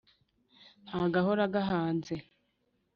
Nta gahora gahanze.